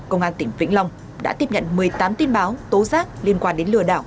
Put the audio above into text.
công an tỉnh vĩnh long đã tiếp nhận một mươi tám tin báo tố giác liên quan đến lừa đảo